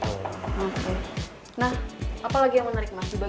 nah apa lagi yang menarik mas di bagian ini